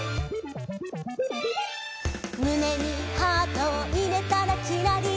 「むねにハートをいれたらキラリン」